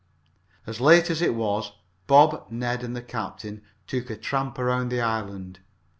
As late as it was, Bob, Ned and the captain took a tramp around the island.